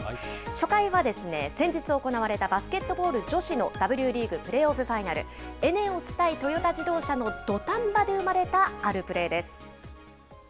初回はですね、先日行われたバスケットボール女子のＷリーグ、プレーオフファイナル。ＥＮＥＯＳ対トヨタ自動車の土壇場で生まれたあるプレーです。